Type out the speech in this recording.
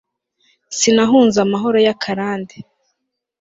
sinahunze amahoro y'akarande